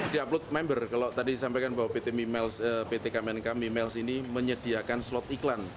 di upload member kalau tadi disampaikan bahwa pt kmnk memiles ini menyediakan slot iklan